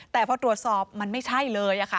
แต่พอตรวจสอบมันไม่ใช่เลยค่ะ